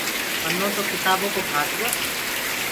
پنو تو ڪِتآبو ڪو ڦآٽ گو۔